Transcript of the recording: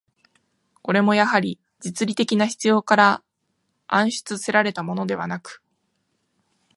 これもやはり、実利的な必要から案出せられたものではなく、